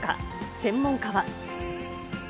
専門家は。